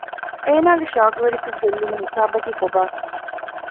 އޭނާގެ ޝައުޤުވެރިކަން ގެއްލުނު ހިސާބަކީ ކޮބާ؟